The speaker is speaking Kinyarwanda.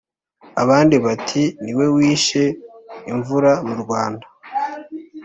abandi, bati: ni we wishe imvura mu rwanda;